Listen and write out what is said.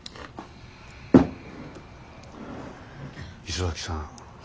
磯崎さん